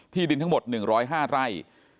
ดินทั้งหมด๑๐๕ไร่